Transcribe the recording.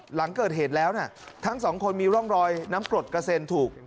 หลังเกิดเหตุแล้วนะทั้งสองคนมีร่องรอยน้ำกรดกระเซ็นถูก